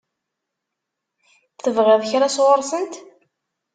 Tebɣiḍ kra sɣur-sent?